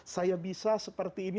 saya bisa seperti ini